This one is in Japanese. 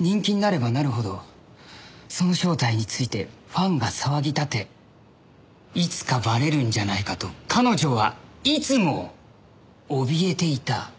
人気になればなるほどその正体についてファンが騒ぎ立ていつかバレるんじゃないかと彼女はいつもおびえていた。